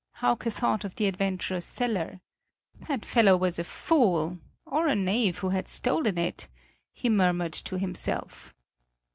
Hauke thought of the adventurous seller. "That fellow was a fool, or a knave who had stolen it," he murmured to himself.